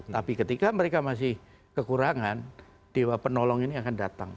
tapi ketika mereka masih kekurangan dewa penolong ini akan datang